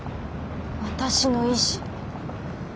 私の意志。